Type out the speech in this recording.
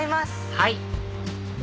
はい！